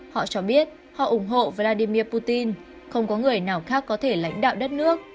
họ cho biết họ ủng hộ vladimir putin không có người nào khác có thể lãnh đạo đất nước